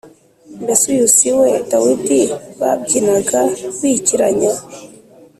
mbese uyu si we dawidi babyinaga bikiranya